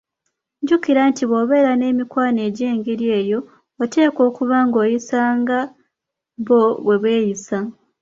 Jjukira nti bw'obeera n'emikwano egy'engeri eyo, oteekwa okuba nga oyisa nga bo bwebayisa.